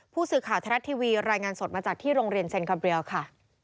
ผู้สื่อข่าวทรัฐทีวีรายงานสดมาจากที่โรงเรียนเซ็นคาเรียลค่ะ